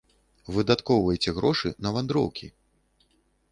Выдаткоўвайце грошы на вандроўкі.